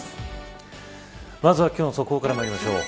まずは今日の速報からまいりましょう。